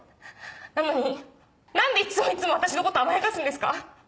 なのに何でいつもいつも私のこと甘やかすんですか？